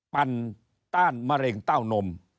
ปั่นต้านมะเร็งเต้านม